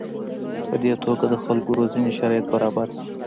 په دې توګه د خلکو روزنې شرایط برابر شي.